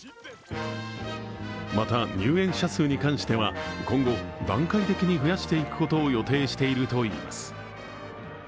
また、入園者数に関しては今後、段階的に増やしていくことを予定しているといいます。